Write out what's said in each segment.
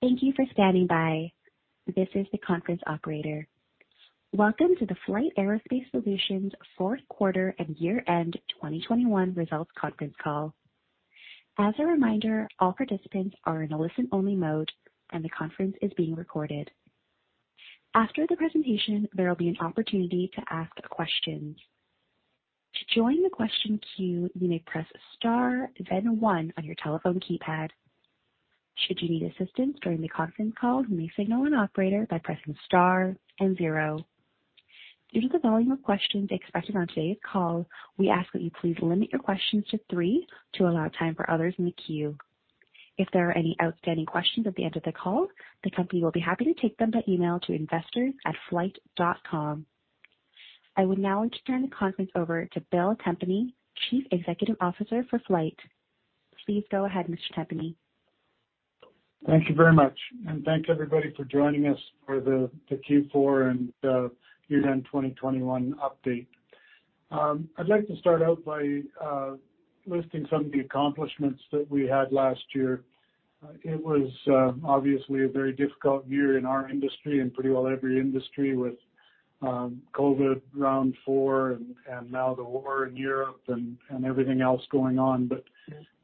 Thank you for standing by. This is the conference operator. Welcome to the FLYHT Aerospace Solutions fourth quarter and year-end 2021 results conference call. As a reminder, all participants are in a listen-only mode, and the conference is being recorded. After the presentation, there will be an opportunity to ask questions. To join the question queue, you may press star then one on your telephone keypad. Should you need assistance during the conference call, you may signal an operator by pressing star and zero. Due to the volume of questions expected on today's call, we ask that you please limit your questions to three to allow time for others in the queue. If there are any outstanding questions at the end of the call, the company will be happy to take them by email to investors@flyht.com. I would now like to turn the conference over to Bill Tempany, Chief Executive Officer for FLYHT. Please go ahead, Mr. Tempany. Thank you very much, and thank everybody for joining us for the Q4 and year-end 2021 update. I'd like to start out by listing some of the accomplishments that we had last year. It was obviously a very difficult year in our industry and pretty well every industry with COVID round four and now the war in Europe and everything else going on.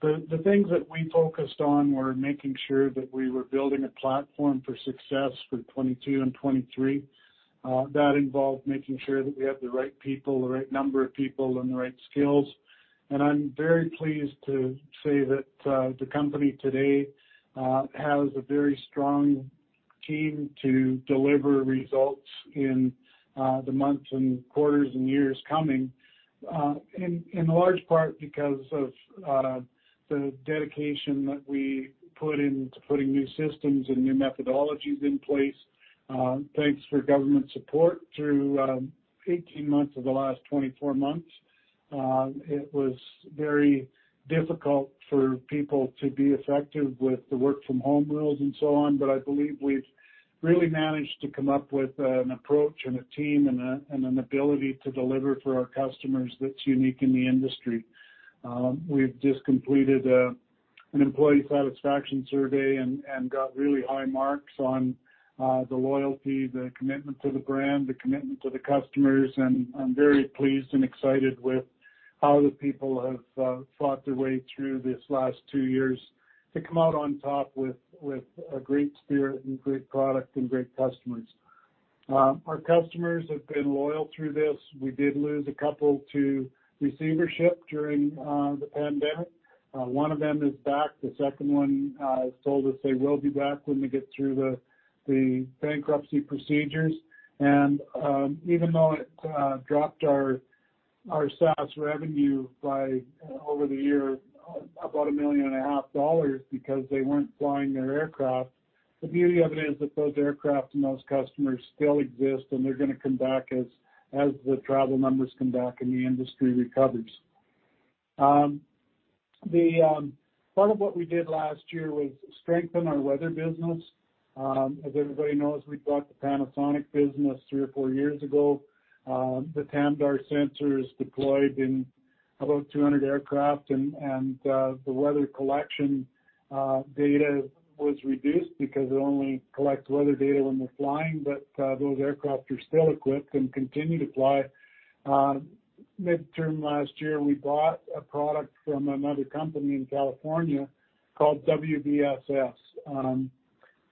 The things that we focused on were making sure that we were building a platform for success for 2022 and 2023. That involved making sure that we have the right people, the right number of people, and the right skills. I'm very pleased to say that the company today has a very strong team to deliver results in the months and quarters and years coming, in large part because of the dedication that we put into putting new systems and new methodologies in place. Thanks for government support through 18 months of the last 24 months. It was very difficult for people to be effective with the work from home rules and so on, but I believe we've really managed to come up with an approach and a team and an ability to deliver for our customers that's unique in the industry. We've just completed an employee satisfaction survey and got really high marks on the loyalty, the commitment to the brand, the commitment to the customers, and I'm very pleased and excited with how the people have fought their way through these last two years to come out on top with a great spirit and great product and great customers. Our customers have been loyal through this. We did lose a couple to receivership during the pandemic. One of them is back. The second one has told us they will be back when we get through the bankruptcy procedures. Even though it dropped our SaaS revenue by over the year about 1.5 million because they weren't flying their aircraft, the beauty of it is that those aircraft and those customers still exist, and they're gonna come back as the travel numbers come back and the industry recovers. Part of what we did last year was strengthen our weather business. As everybody knows, we bought the Panasonic business three or four years ago. The TAMDAR sensor is deployed in about 200 aircraft and the weather collection data was reduced because it only collects weather data when they're flying, but those aircraft are still equipped and continue to fly. Midterm last year, we bought a product from another company in California called WVSS.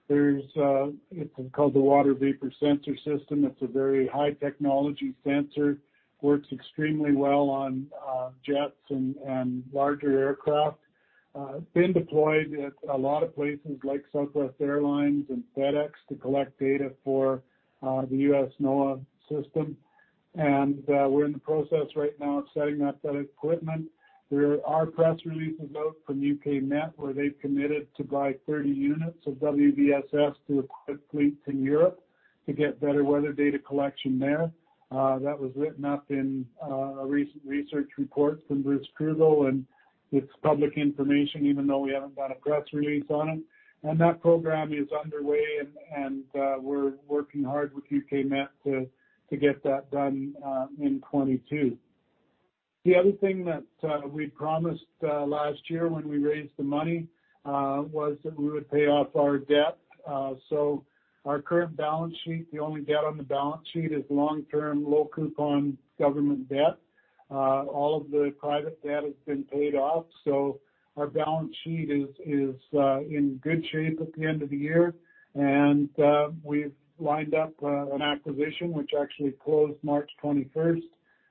There's, it's called the Water Vapor Sensor System. It's a very high technology sensor. Works extremely well on jets and larger aircraft. Been deployed at a lot of places like Southwest Airlines and FedEx to collect data for the U.S. NOAA system. We're in the process right now of setting up that equipment. There are press releases out from U.K. Met Office, where they've committed to buy 30 units of WVSS to equip fleets in Europe to get better weather data collection there. That was written up in a recent research report from Bruce Kruggel. It's public information, even though we haven't done a press release on it. That program is underway and we're working hard with U.K. Met Office to get that done in 2022. The other thing that we promised last year when we raised the money was that we would pay off our debt. Our current balance sheet, the only debt on the balance sheet is long-term, low coupon government debt. All of the private debt has been paid off, so our balance sheet is in good shape at the end of the year. We've lined up an acquisition which actually closed March 21.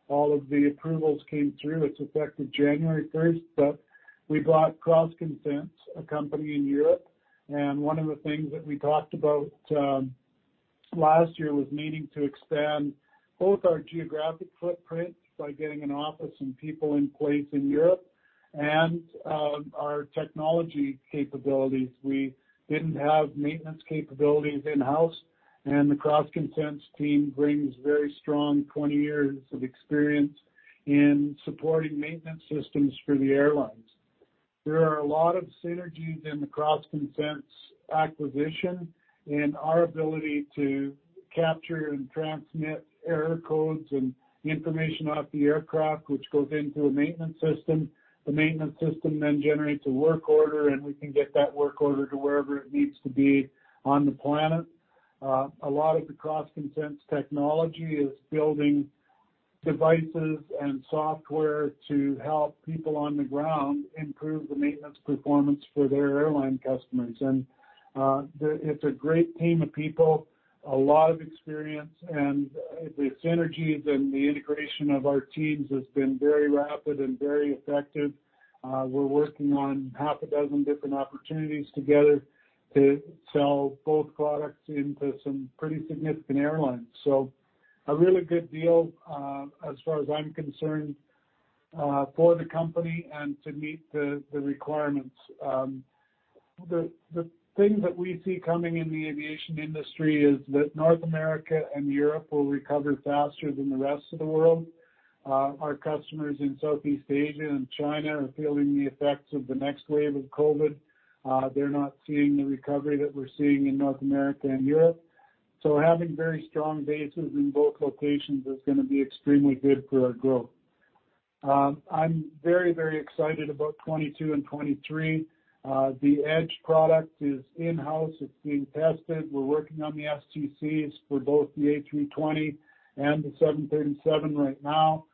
All of the approvals came through. It's effective January 1. We bought CrossConsense, a company in Europe, and one of the things that we talked about last year was needing to expand both our geographic footprint by getting an office and people in place in Europe and our technology capabilities. We didn't have maintenance capabilities in-house, and the CrossConsense team brings very strong 20 years of experience in supporting maintenance systems for the airlines. There are a lot of synergies in the CrossConsense acquisition in our ability to capture and transmit error codes and information off the aircraft, which goes into a maintenance system. The maintenance system then generates a work order, and we can get that work order to wherever it needs to be on the planet. A lot of the CrossConsense technology is building devices and software to help people on the ground improve the maintenance performance for their airline customers. It's a great team of people, a lot of experience, and the synergies and the integration of our teams has been very rapid and very effective. We're working on six different opportunities together to sell both products into some pretty significant airlines. A really good deal, as far as I'm concerned, for the company and to meet the requirements. The thing that we see coming in the aviation industry is that North America and Europe will recover faster than the rest of the world. Our customers in Southeast Asia and China are feeling the effects of the next wave of COVID. They're not seeing the recovery that we're seeing in North America and Europe. Having very strong bases in both locations is gonna be extremely good for our growth. I'm very, very excited about 2022 and 2023. The Edge product is in-house. It's being tested. We're working on the STCs for both the A320 and the 737 right now.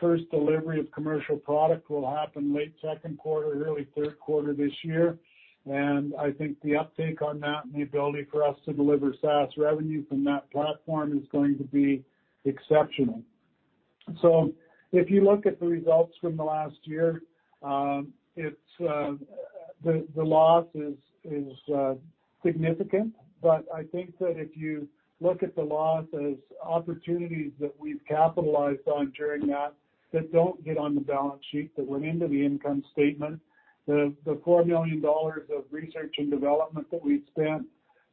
First delivery of commercial product will happen late second quarter, early third quarter this year. I think the uptake on that and the ability for us to deliver SaaS revenue from that platform is going to be exceptional. If you look at the results from the last year, the loss is significant. I think that if you look at the loss as opportunities that we've capitalized on during that don't get on the balance sheet that went into the income statement, the 4 million dollars of research and development that we'd spent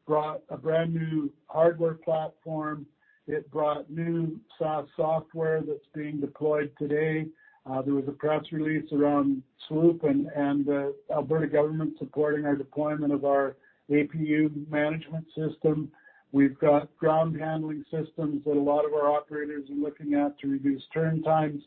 brought a brand-new hardware platform. It brought new SaaS software that's being deployed today. There was a press release around Swoop and the Alberta government supporting our deployment of our APU management system. We've got ground handling systems that a lot of our operators are looking at to reduce turn times.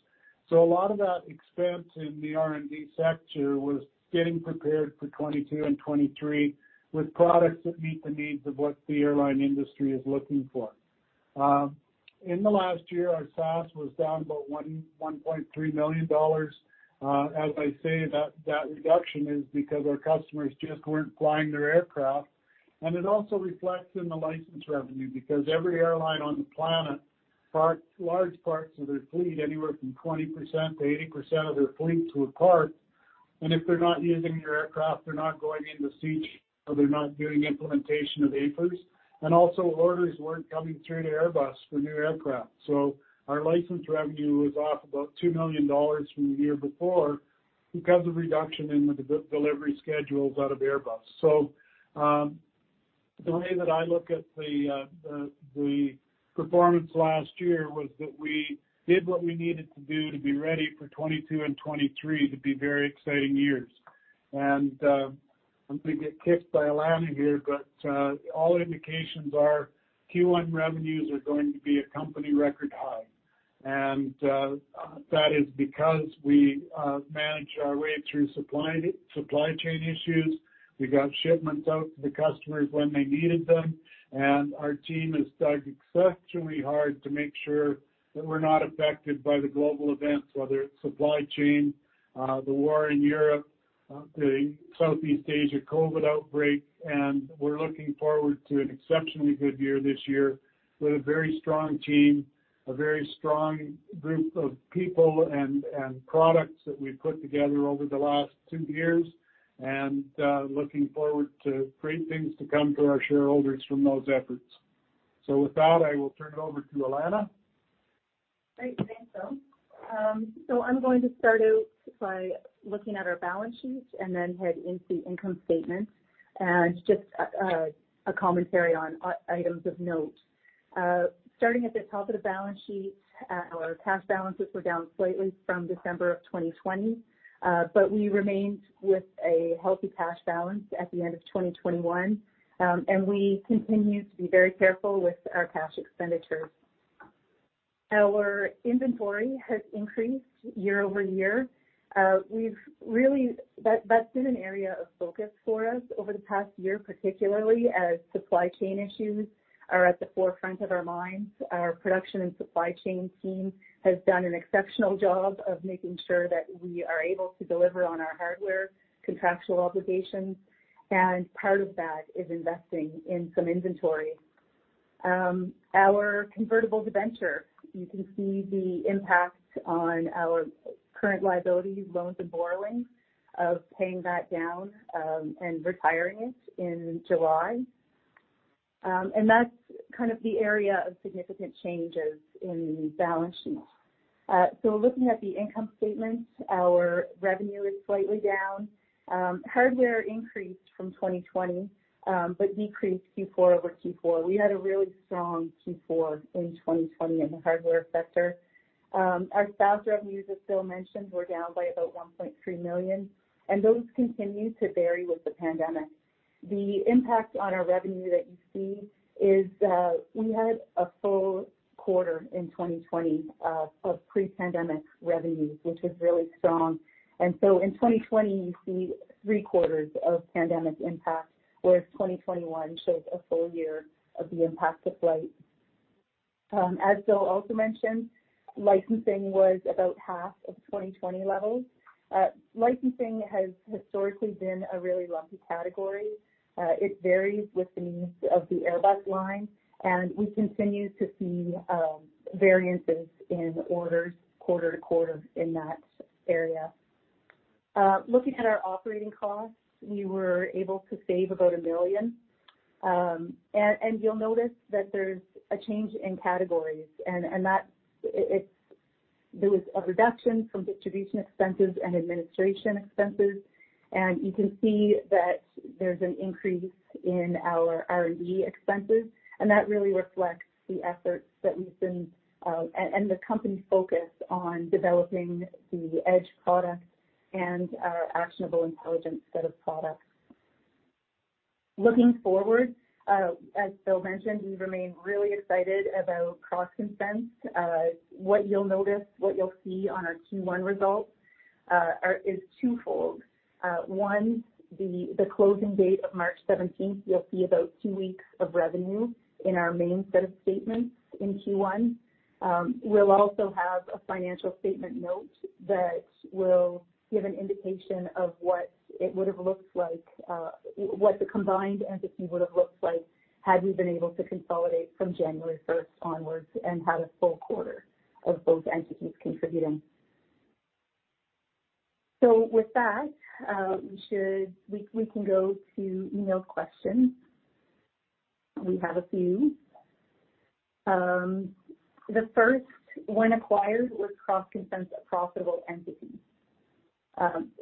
A lot of that expense in the R&D sector was getting prepared for 2022 and 2023 with products that meet the needs of what the airline industry is looking for. In the last year, our SaaS was down about 1.3 million dollars. That reduction is because our customers just weren't flying their aircraft. It also reflects in the license revenue because every airline on the planet parked large parts of their fleet, anywhere from 20%-80% of their fleet to a park. If they're not using their aircraft, they're not going into C check, or they're not doing implementation of APUs. Orders weren't coming through to Airbus for new aircraft. Our license revenue was off about 2 million dollars from the year before because of reduction in the de-delivery schedules out of Airbus. The way that I look at the performance last year was that we did what we needed to do to be ready for 2022 and 2023 to be very exciting years. I'm gonna get kicked by Alana here, but all indications are Q1 revenues are going to be a company record high. That is because we managed our way through supply chain issues. We got shipments out to the customers when they needed them, and our team has dug exceptionally hard to make sure that we're not affected by the global events, whether it's supply chain, the war in Europe, the Southeast Asia COVID outbreak. We're looking forward to an exceptionally good year this year with a very strong team, a very strong group of people and products that we've put together over the last two years, and looking forward to great things to come to our shareholders from those efforts. With that, I will turn it over to Alana. Great. Thanks, Bill Tempany. I'm going to start out by looking at our balance sheet and then head into the income statement and just a commentary on items of note. Starting at the top of the balance sheet, our cash balances were down slightly from December of 2020. We remained with a healthy cash balance at the end of 2021. We continue to be very careful with our cash expenditures. Our inventory has increased year-over-year. That's been an area of focus for us over the past year, particularly as supply chain issues are at the forefront of our minds. Our production and supply chain team has done an exceptional job of making sure that we are able to deliver on our hardware contractual obligations, and part of that is investing in some inventory. Our convertible debenture, you can see the impact on our current liabilities, loans and borrowings, of paying that down, and retiring it in July. That's kind of the area of significant changes in the balance sheet. Looking at the income statement, our revenue is slightly down. Hardware increased from 2020, but decreased Q4-over-Q4. We had a really strong Q4 in 2020 in the hardware sector. Our SaaS revenues, as Bill Tempany mentioned, were down by about 1.3 million, and those continue to vary with the pandemic. The impact on our revenue that you see is, we had a full quarter in 2020, of pre-pandemic revenue, which was really strong. In 2020, you see three quarters of pandemic impact, whereas 2021 shows a full year of the impact of flight. As Bill also mentioned, licensing was about half of 2020 levels. Licensing has historically been a really lumpy category. It varies with the needs of the Airbus line, and we continue to see variances in orders quarter to quarter in that area. Looking at our operating costs, we were able to save about 1 million. And you'll notice that there's a change in categories, and that's it. It's there was a reduction from distribution expenses and administration expenses. You can see that there's an increase in our R&D expenses, and that really reflects the efforts that we've been and the company's focus on developing the Edge products and our Actionable Intelligence set of products. Looking forward, as Bill mentioned, we remain really excited about CrossConsense. What you'll notice, what you'll see on our Q1 results, is twofold. One, the closing date of March seventeenth, you'll see about two weeks of revenue in our main set of statements in Q1. We'll also have a financial statement note that will give an indication of what it would've looked like, what the combined entity would've looked like had we been able to consolidate from January first onwards and had a full quarter of both entities contributing. With that, we can go to emailed questions. We have a few. The first, when acquired, was CrossConsense a profitable entity?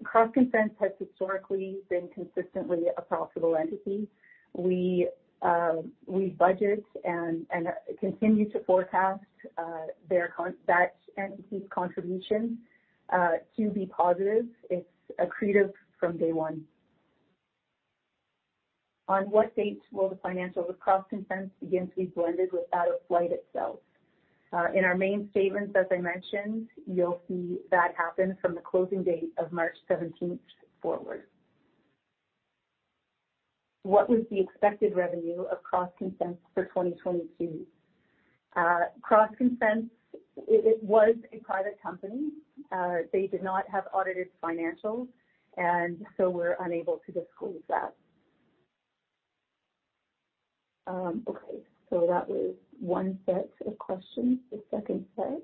CrossConsense has historically been consistently a profitable entity. We budget and continue to forecast that entity's contribution to be positive. It's accretive from day one. On what date will the financials of CrossConsense begin to be blended with FLYHT itself? In our main statements, as I mentioned, you'll see that happen from the closing date of March seventeenth forward. What was the expected revenue of CrossConsense for 2022? CrossConsense, it was a private company. They did not have audited financials, and so we're unable to disclose that. Okay, that was one set of questions. The second set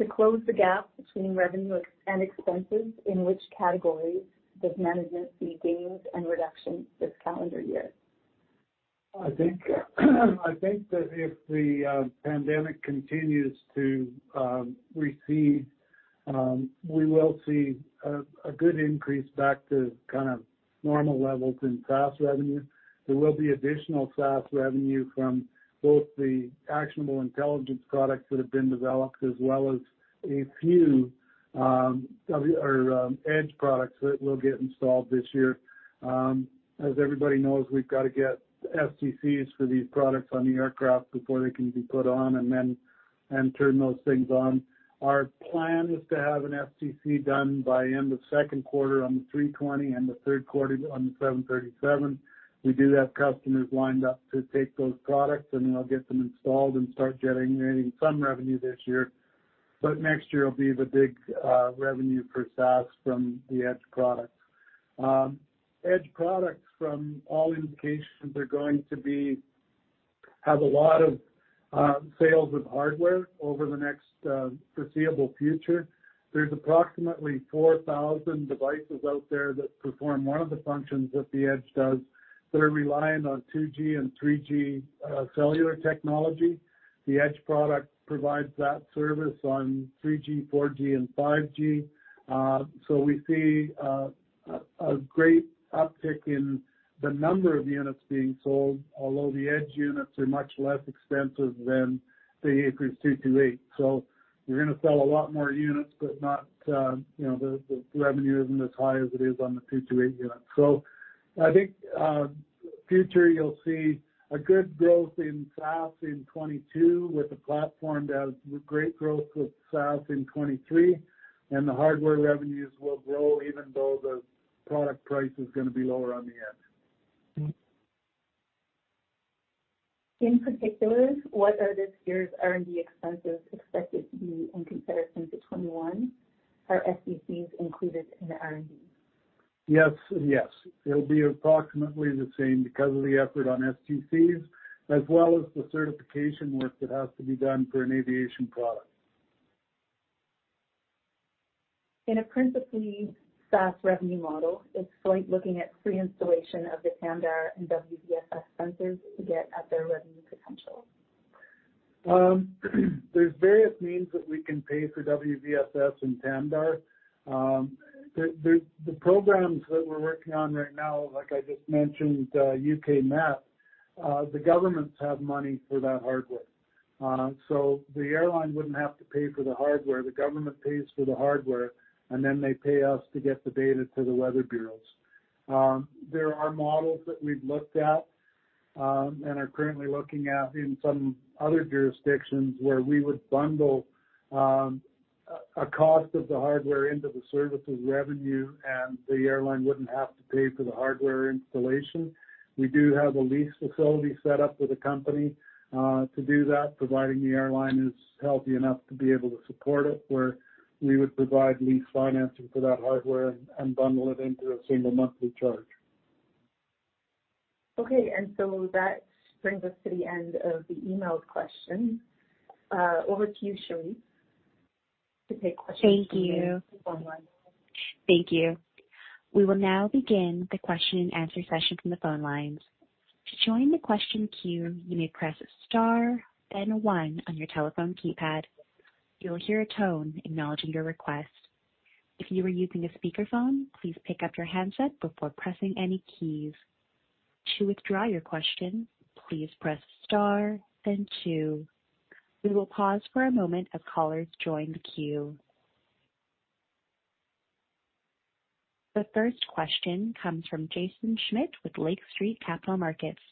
to close the gap between revenue and expenses, in which categories does management see gains and reductions this calendar year? I think that if the pandemic continues to recede, we will see a good increase back to kind of normal levels in SaaS revenue. There will be additional SaaS revenue from both the Actionable Intelligence products that have been developed, as well as a few Edge products that will get installed this year. As everybody knows, we've got to get STCs for these products on the aircraft before they can be put on and then turn those things on. Our plan is to have an STC done by end of second quarter on the three-twenty and the third quarter on the seven-thirty-seven. We do have customers lined up to take those products, and they'll get them installed and start generating some revenue this year. Next year will be the big revenue for SaaS from the Edge products. Edge products from all indications are going to have a lot of sales of hardware over the next foreseeable future. There's approximately 4,000 devices out there that perform one of the functions that the Edge does that are reliant on 2G and 3G cellular technology. The Edge product provides that service on 3G, 4G, and 5G. We see a great uptick in the number of units being sold, although the Edge units are much less expensive than the AFIRS 228. We're gonna sell a lot more units, but not you know the revenue isn't as high as it is on the 228 units. I think in the future you'll see a good growth in SaaS in 2022, with the platform to have great growth with SaaS in 2023, and the hardware revenues will grow even though the product price is gonna be lower on the Edge. In particular, what are this year's R&D expenses expected to be in comparison to 2021? Are STCs included in the R&D? Yes and yes. It'll be approximately the same because of the effort on STCs, as well as the certification work that has to be done for an aviation product. In a principally SaaS revenue model, is FLYHT looking at free installation of the TAMDAR and WVSS sensors to get at their revenue potential? There's various means that we can pay for WVSS and TAMDAR. There's the programs that we're working on right now, like I just mentioned, Met Office, the governments have money for that hardware. So the airline wouldn't have to pay for the hardware. The government pays for the hardware, and then they pay us to get the data to the weather bureaus. There are models that we've looked at, and are currently looking at in some other jurisdictions where we would bundle a cost of the hardware into the services revenue, and the airline wouldn't have to pay for the hardware installation. We do have a lease facility set up with a company, to do that, providing the airline is healthy enough to be able to support it, where we would provide lease financing for that hardware and bundle it into a single monthly charge. Okay. That brings us to the end of the emailed questions. Over to you, Cherie, to take questions from the phone line. Thank you. We will now begin the question and answer session from the phone lines. To join the question queue, you may press star then one on your telephone keypad. You will hear a tone acknowledging your request. If you are using a speakerphone, please pick up your handset before pressing any keys. To withdraw your question, please press star then two. We will pause for a moment as callers join the queue. The first question comes from Jaeson Schmidt with Lake Street Capital Markets.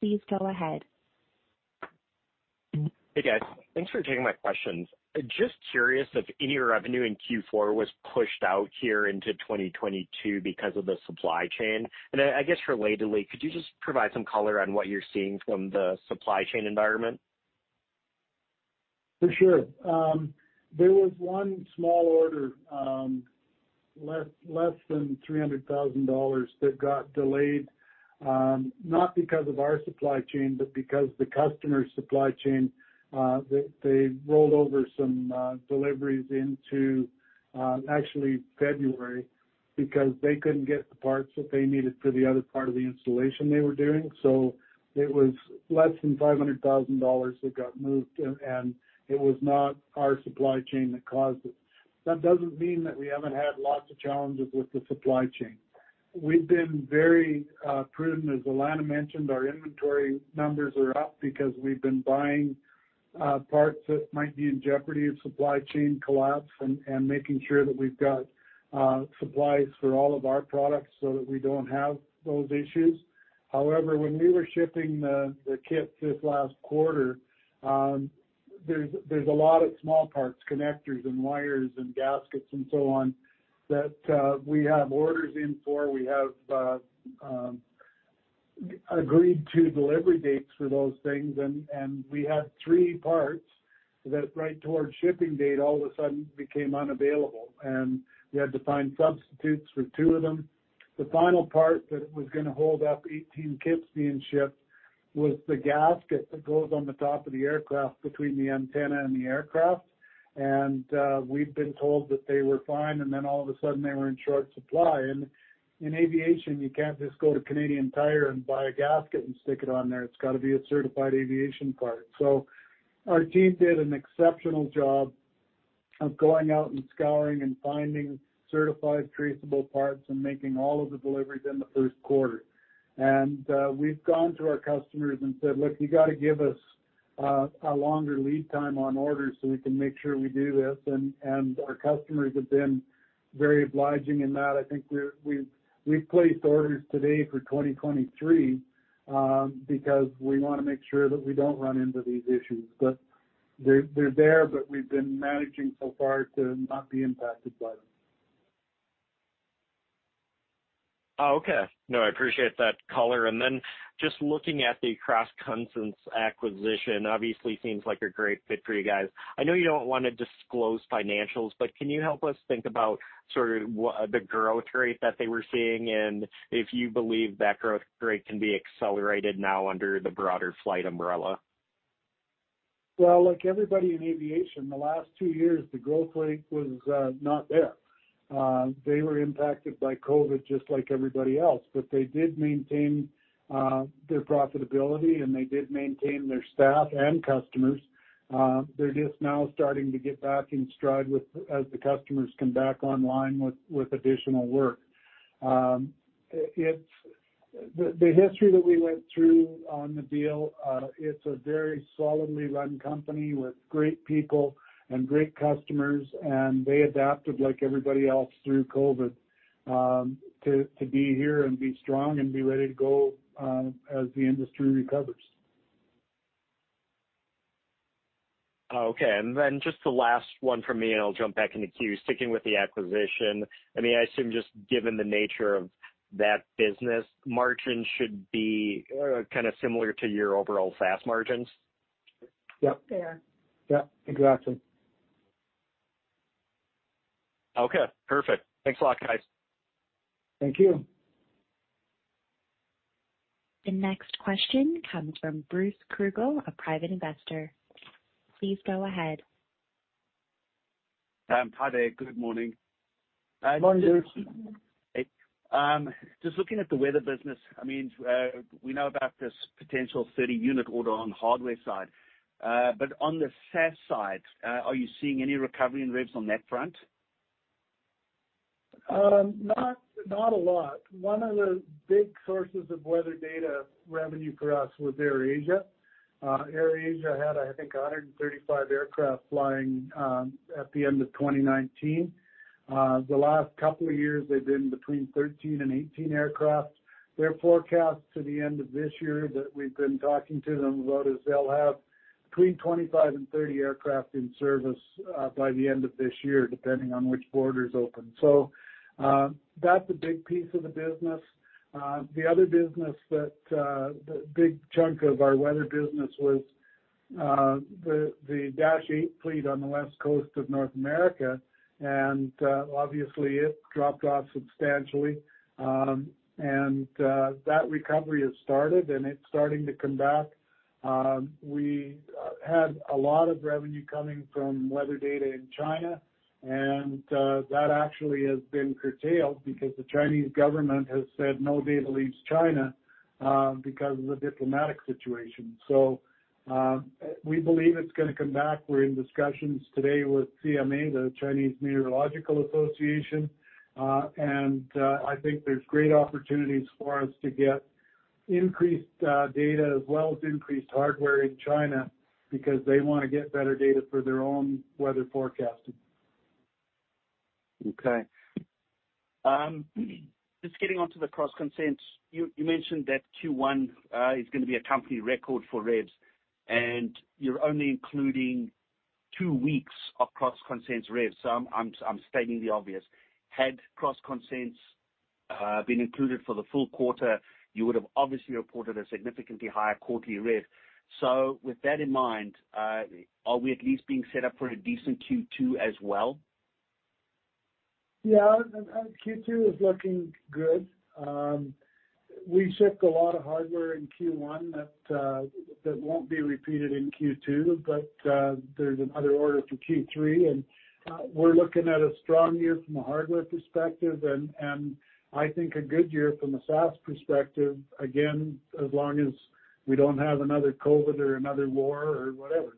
Please go ahead. Hey, guys. Thanks for taking my questions. Just curious if any revenue in Q4 was pushed out here into 2022 because of the supply chain. I guess relatedly, could you just provide some color on what you're seeing from the supply chain environment? For sure. There was one small order, less than 300,000 dollars that got delayed, not because of our supply chain, but because the customer's supply chain. They rolled over some deliveries into actually February because they couldn't get the parts that they needed for the other part of the installation they were doing. It was less than 500,000 dollars that got moved, and it was not our supply chain that caused it. That doesn't mean that we haven't had lots of challenges with the supply chain. We've been very prudent. As Alana mentioned, our inventory numbers are up because we've been buying parts that might be in jeopardy of supply chain collapse and making sure that we've got supplies for all of our products so that we don't have those issues. However, when we were shipping the kit this last quarter, there's a lot of small parts, connectors and wires and gaskets and so on, that we have orders in for. We have agreed to delivery dates for those things, and we had three parts that right up to the shipping date, all of a sudden became unavailable, and we had to find substitutes for two of them. The final part that was gonna hold up 18 kits being shipped was the gasket that goes on the top of the aircraft between the antenna and the aircraft. We've been told that they were fine, and then all of a sudden they were in short supply. In aviation, you can't just go to Canadian Tire and buy a gasket and stick it on there. It's got to be a certified aviation part. Our team did an exceptional job of going out and scouring and finding certified traceable parts and making all of the deliveries in the first quarter. We've gone to our customers and said, "Look, you got to give us a longer lead time on orders so we can make sure we do this." Our customers have been very obliging in that. I think we've placed orders today for 2023 because we wanna make sure that we don't run into these issues. They're there, but we've been managing so far to not be impacted by them. Oh, okay. No, I appreciate that color. Just looking at the CrossConsense acquisition obviously seems like a great fit for you guys. I know you don't wanna disclose financials, but can you help us think about sort of what the growth rate that they were seeing and if you believe that growth rate can be accelerated now under the broader FLYHT umbrella? Well, like everybody in aviation, the last two years, the growth rate was not there. They were impacted by COVID just like everybody else, but they did maintain their profitability, and they did maintain their staff and customers. They're just now starting to get back in stride as the customers come back online with additional work. It's the history that we went through on the deal. It's a very solidly run company with great people and great customers, and they adapted like everybody else through COVID to be here and be strong and be ready to go as the industry recovers. Oh, okay. Just the last one from me, and I'll jump back in the queue. Sticking with the acquisition, I mean, I assume just given the nature of that business, margins should be kind of similar to your overall SaaS margins. Yep. They are. Yep, exactly. Okay, perfect. Thanks a lot, guys. Thank you. The next question comes from Bruce Kruggel, a private investor. Please go ahead. Hi there. Good morning. Good morning, Bruce. Hey. Just looking at the weather business, I mean, we know about this potential 30-unit order on the hardware side. On the SaaS side, are you seeing any recovery in revs on that front? Not a lot. One of the big sources of weather data revenue for us was AirAsia. AirAsia had, I think, 135 aircraft flying at the end of 2019. The last couple of years they've been between 13 and 18 aircraft. Their forecast to the end of this year that we've been talking to them about is they'll have between 25 and 30 aircraft in service by the end of this year, depending on which border is open. That's a big piece of the business. The other business that the big chunk of our weather business was the Dash 8 fleet on the West Coast of North America, and obviously, it dropped off substantially. That recovery has started, and it's starting to come back. We had a lot of revenue coming from weather data in China, and that actually has been curtailed because the Chinese government has said no data leaves China because of the diplomatic situation. We believe it's gonna come back. We're in discussions today with CMA, the China Meteorological Administration. I think there's great opportunities for us to get increased data as well as increased hardware in China because they wanna get better data for their own weather forecasting. Okay. Just getting onto the CrossConsense. You mentioned that Q1 is gonna be a company record for revs, and you're only including two weeks of CrossConsense revs, so I'm stating the obvious. Had CrossConsense been included for the full quarter, you would've obviously reported a significantly higher quarterly rev. With that in mind, are we at least being set up for a decent Q2 as well? Yeah. Q2 is looking good. We shipped a lot of hardware in Q1 that won't be repeated in Q2, but there's another order for Q3, and we're looking at a strong year from a hardware perspective and I think a good year from a SaaS perspective, again, as long as we don't have another COVID or another war or whatever.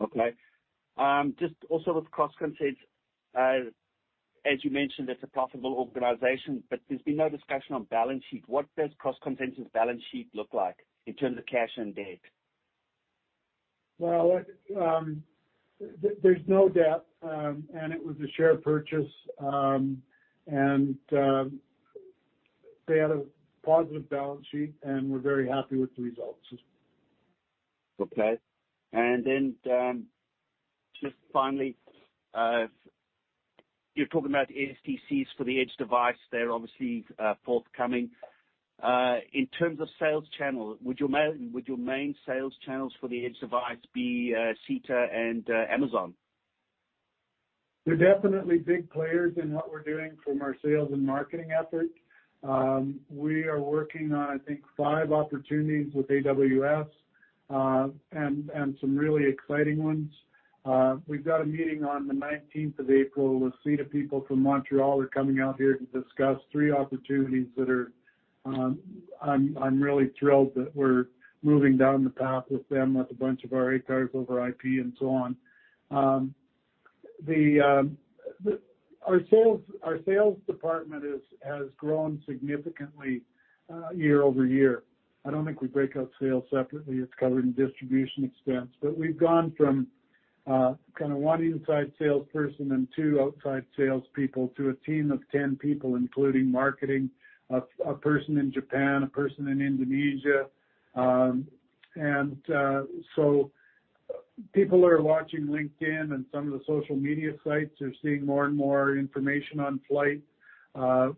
Okay. Just also with CrossConsense, as you mentioned, it's a profitable organization, but there's been no discussion on balance sheet. What does CrossConsense's balance sheet look like in terms of cash and debt? Well, there's no debt, and it was a share purchase. They had a positive balance sheet, and we're very happy with the results. Just finally, you're talking about STCs for the Edge device. They're obviously forthcoming. In terms of sales channel, would your main sales channels for the Edge device be SITA and Amazon? They're definitely big players in what we're doing from our sales and marketing effort. We are working on, I think, five opportunities with AWS and some really exciting ones. We've got a meeting on the nineteenth of April with SITA people from Montreal coming out here to discuss three opportunities that are, I'm really thrilled that we're moving down the path with them, with a bunch of our ACARS over IP and so on. Our sales department has grown significantly year-over-year. I don't think we break out sales separately. It's covered in distribution expense. We've gone from kinda 1 inside salesperson and two outside salespeople to a team of ten people, including marketing, a person in Japan, a person in Indonesia. People are watching LinkedIn and some of the social media sites. They're seeing more and more information on FLYHT.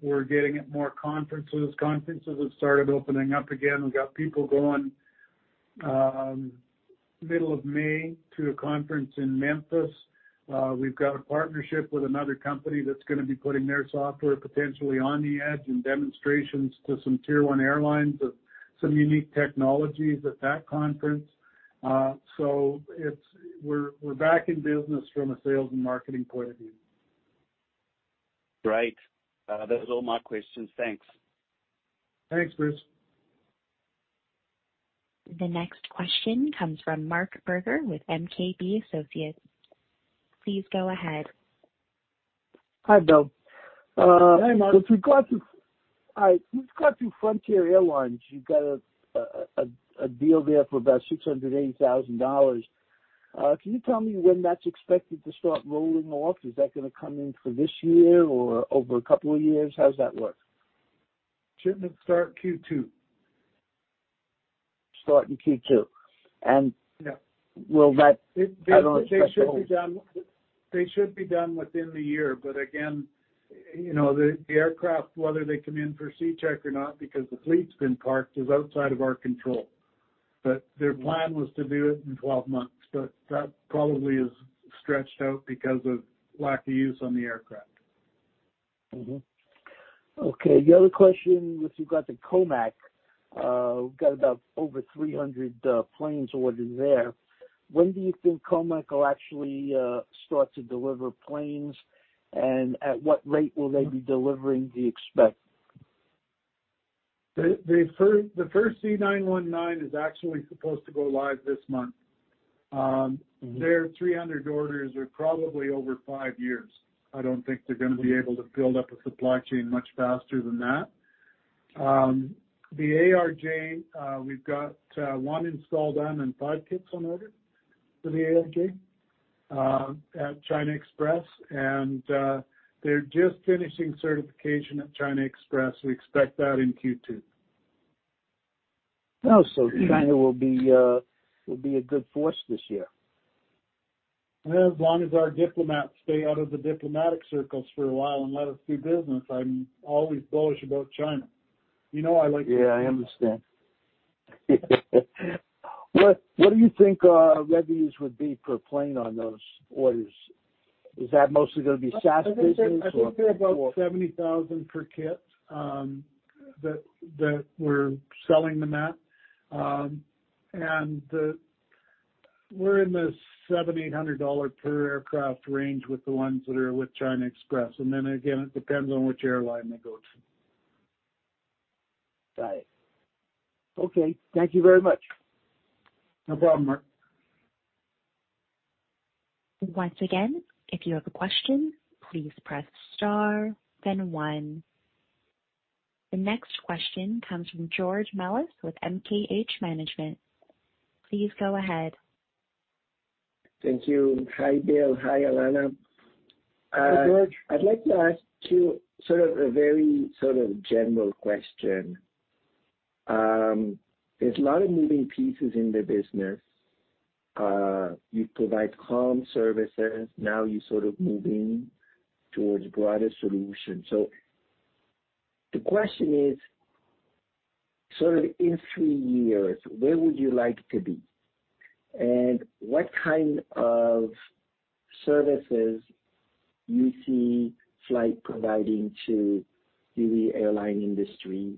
We're getting to more conferences. Conferences have started opening up again. We've got people going middle of May to a conference in Memphis. We've got a partnership with another company that's gonna be putting their software potentially on the Edge and demonstrations to some tier one airlines of some unique technologies at that conference. We're back in business from a sales and marketing point of view. Great. That is all my questions. Thanks. Thanks, Bruce. The next question comes from Marc Berger with MKB Associates. Please go ahead. Hi, Bill. Hi, Marc. If you go up to Frontier Airlines, you've got a deal there for about $680,000. Can you tell me when that's expected to start rolling off? Is that gonna come in for this year or over a couple of years? How's that look? Should start Q2. Start in Q2. Yeah. Will that- They should be done. I know it's- They should be done within the year, but again, you know, the aircraft, whether they come in for C check or not, because the fleet's been parked, is outside of our control. Their plan was to do it in 12 months, but that probably is stretched out because of lack of use on the aircraft. The other question, if you've got the COMAC, we've got about over 300 planes ordered there. When do you think COMAC will actually start to deliver planes, and at what rate will they be delivering, do you expect? The first C919 is actually supposed to go live this month. Their 300 orders are probably over five years. I don't think they're gonna be able to build up a supply chain much faster than that. The ARJ, we've got one installed and five kits on order for the ARJ at China Express. They're just finishing certification at China Express. We expect that in Q2. Oh, China will be a good force this year. As long as our diplomats stay out of the diplomatic circles for a while and let us do business, I'm always bullish about China. You know I like- Yeah, I understand. What do you think revenues would be per plane on those orders? Is that mostly gonna be Satcoms or- I think they're about 70,000 per kit that we're selling them at. We're in the 700-800 dollar per aircraft range with the ones that are with China Express. Then again, it depends on which airline they go to. Got it. Okay. Thank you very much. No problem, Marc. Once again, if you have a question, please press star then one. The next question comes from George Melas with MKH Management. Please go ahead. Thank you. Hi, Bill. Hi, Alana. Hi, George. I'd like to ask you sort of a very sort of general question. There's a lot of moving pieces in the business. You provide comm services. Now you sort of moving towards broader solutions. The question is, sort of in three years, where would you like to be? What kind of services you see FLYHT providing to the airline industry?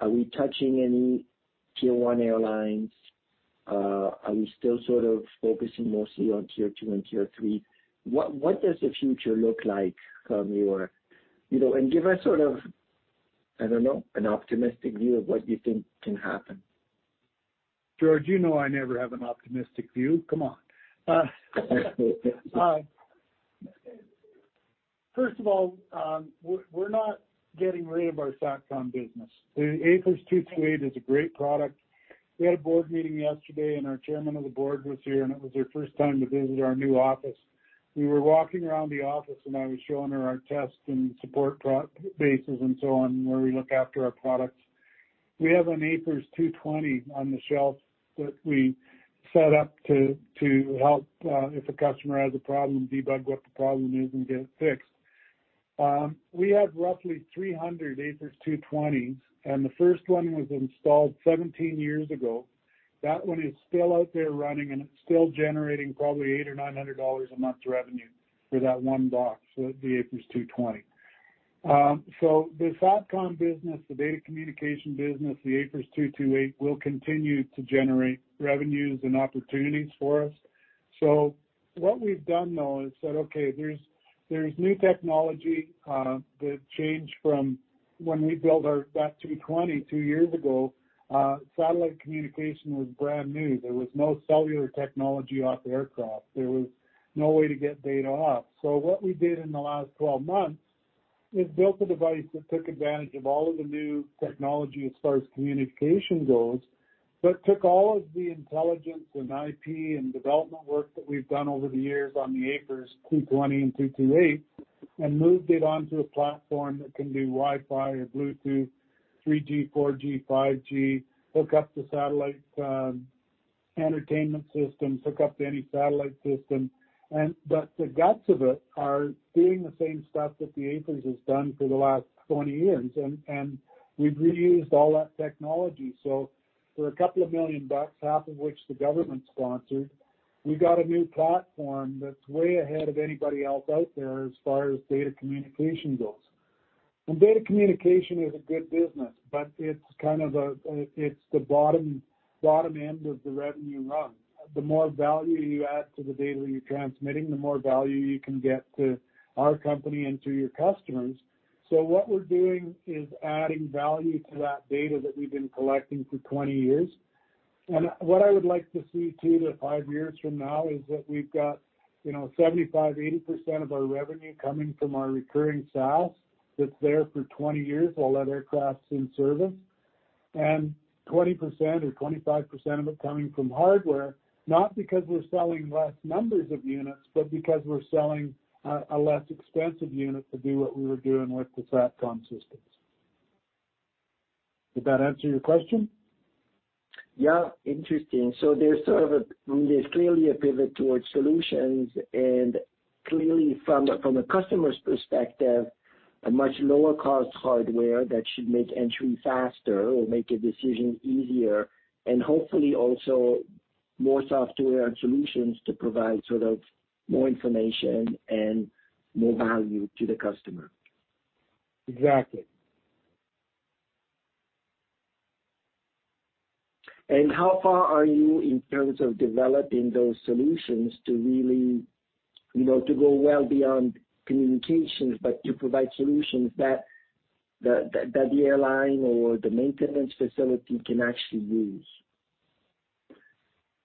Are we touching any tier one airlines? Are we still sort of focusing mostly on tier two and tier three? What does the future look like from your you know, and give us sort of, I don't know, an optimistic view of what you think can happen. George, you know I never have an optimistic view. Come on. First of all, we're not getting rid of our Satcom business. The AFIRS 228 is a great product. We had a board meeting yesterday, and our chairman of the board was here, and it was her first time to visit our new office. We were walking around the office, and I was showing her our test and support bases and so on, where we look after our products. We have an AFIRS 220 on the shelf that we set up to help if a customer has a problem, debug what the problem is and get it fixed. We have roughly 300 AFIRS 220s, and the first one was installed 17 years ago. That one is still out there running, and it's still generating probably $800 or $900 a month revenue for that one box. The AFIRS 220. The Satcom business, the data communication business, the AFIRS 228 will continue to generate revenues and opportunities for us. What we've done though is said, okay, there's new technology that changed from when we built our that 220 two years ago. Satellite communication was brand new. There was no cellular technology off the aircraft. There was no way to get data off. What we did in the last 12 months is built a device that took advantage of all of the new technology as far as communication goes, but took all of the intelligence and IP and development work that we've done over the years on the AFIRS 220 and 228 and moved it onto a platform that can do Wi-Fi or Bluetooth, 3G, 4G, 5G, hook up to satellite entertainment systems, hook up to any satellite system. The guts of it are doing the same stuff that the AFIRS has done for the last 20 years. We've reused all that technology. For $2 million, half of which the government sponsored, we got a new platform that's way ahead of anybody else out there as far as data communication goes. Data communication is a good business, but it's kind of a, it's the bottom end of the revenue run. The more value you add to the data you're transmitting, the more value you can get to our company and to your customers. What we're doing is adding value to that data that we've been collecting for 20 years. What I would like to see 2-5 years from now is that we've got, you know, 75%-80% of our revenue coming from our recurring sales that's there for 20 years while that aircraft's in service, and 20% or 25% of it coming from hardware, not because we're selling less numbers of units, but because we're selling a less expensive unit to do what we were doing with the Satcom systems. Did that answer your question? Yeah. Interesting. There's clearly a pivot towards solutions and clearly from a customer's perspective, a much lower cost hardware that should make entry faster or make a decision easier, and hopefully also more software and solutions to provide sort of more information and more value to the customer. Exactly. How far are you in terms of developing those solutions to really, you know, to go well beyond communications, but to provide solutions that the airline or the maintenance facility can actually use?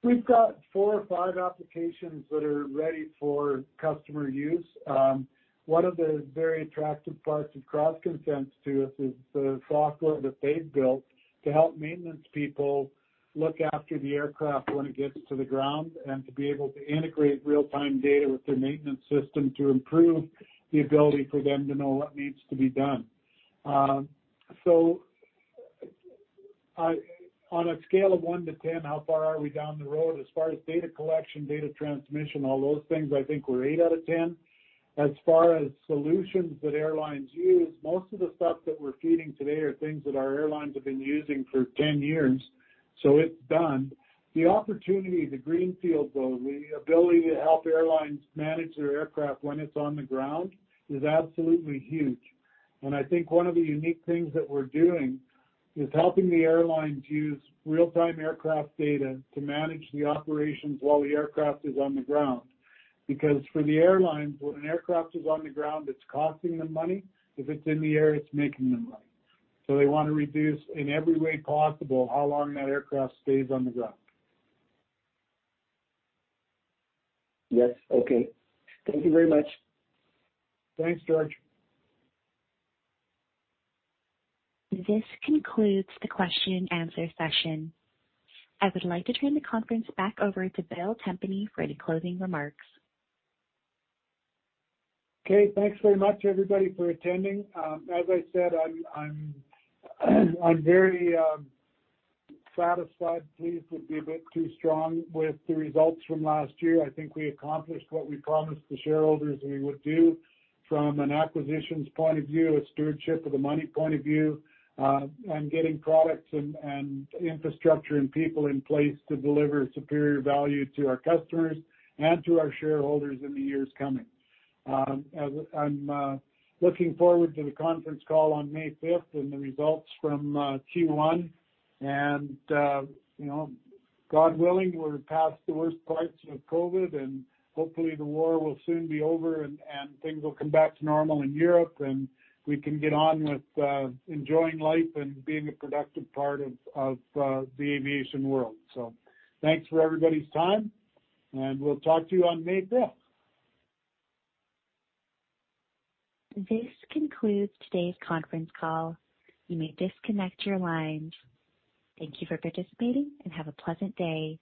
We've got four or five applications that are ready for customer use. One of the very attractive parts of CrossConsense to us is the software that they've built to help maintenance people look after the aircraft when it gets to the ground and to be able to integrate real-time data with their maintenance system to improve the ability for them to know what needs to be done. On a scale of one to ten, how far are we down the road as far as data collection, data transmission, all those things? I think we're eight out of ten. As far as solutions that airlines use, most of the stuff that we're feeding today are things that our airlines have been using for ten years, so it's done. The opportunity, the greenfield, though, the ability to help airlines manage their aircraft when it's on the ground is absolutely huge. I think one of the unique things that we're doing is helping the airlines use real-time aircraft data to manage the operations while the aircraft is on the ground. Because for the airlines, when an aircraft is on the ground, it's costing them money. If it's in the air, it's making them money. They wanna reduce, in every way possible, how long that aircraft stays on the ground. Yes. Okay. Thank you very much. Thanks, George. This concludes the question and answer session. I would like to turn the conference back over to Bill Tempany for any closing remarks. Okay. Thanks very much, everybody, for attending. As I said, I'm very satisfied. Pleased would be a bit too strong with the results from last year. I think we accomplished what we promised the shareholders we would do from an acquisitions point of view, a stewardship of the money point of view, and getting products and infrastructure and people in place to deliver superior value to our customers and to our shareholders in the years coming. As I'm looking forward to the conference call on May 5 and the results from Q1. God willing, we're past the worst parts of COVID, and hopefully the war will soon be over, and things will come back to normal in Europe, and we can get on with enjoying life and being a productive part of the aviation world. Thanks for everybody's time, and we'll talk to you on May 5. This concludes today's conference call. You may disconnect your lines. Thank you for participating, and have a pleasant day.